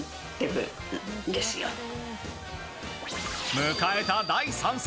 迎えた第３戦。